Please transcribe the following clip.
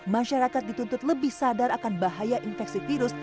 masyarakat dituntut lebih sadar akan bahaya infeksi virus